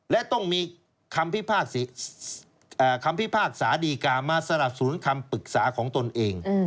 และต้องมีคำพิพากษาดีกามาสนับสนุนคำปรึกษาของตนเอง